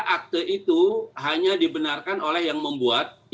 akte itu hanya dibenarkan oleh yang membuat